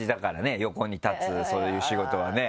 横に立つそういう仕事はね。